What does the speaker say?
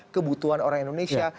kebutuhan orang indonesia